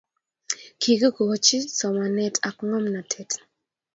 Kiikoch somane ak ngomnotet